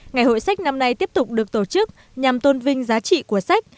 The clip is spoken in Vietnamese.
ngày hội sách năm nay tiếp tục được tổ chức nhằm tôn vinh giá trị của sách